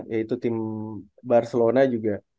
yaitu tim barcelona juga